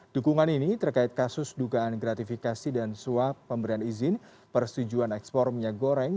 dukungan ini terkait kasus dugaan gratifikasi dan suap pemberian izin persetujuan ekspor minyak goreng